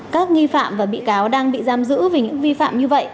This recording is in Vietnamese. các nghi phạm và bị cáo đang bị giam giữ vì những vi phạm như vậy